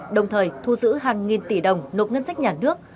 đồng thời thu giữ hàng nghìn tỷ đồng nộp ngân sách nhà nước